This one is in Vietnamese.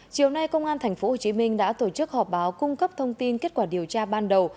chiều nay công an tp hcm đã tổ chức họp báo cung cấp thông tin kết quả điều tra ban đầu